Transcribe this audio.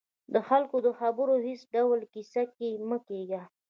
د خلکو د خبرو هېڅ ډول کیسه کې مه کېږئ